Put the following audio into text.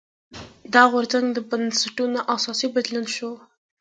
دا غورځنګ د بنسټونو اساسي بدلون لامل شو.